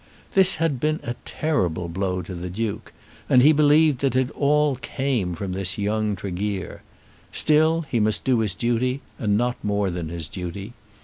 This had been a terrible blow to the Duke; and he believed that it all came from this young Tregear. Still he must do his duty, and not more than his duty.